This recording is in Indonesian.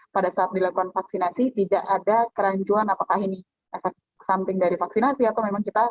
pada saat dilakukan vaksinasi tidak ada kerancuan apakah ini efek samping dari vaksinasi atau memang kita